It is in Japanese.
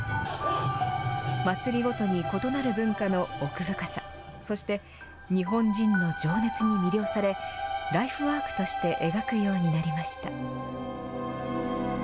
祭りごとに異なる文化の奥深さ、そして、日本人の情熱に魅了され、ライフワークとして描くようになりました。